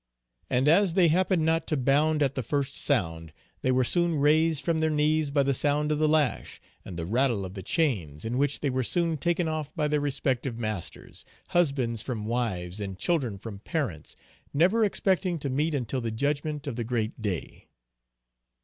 And as they happened not to bound at the first sound, they were soon raised from their knees by the sound of the lash, and the rattle of the chains, in which they were soon taken off by their respective masters, husbands from wives, and children from parents, never expecting to meet until the judgment of the great day.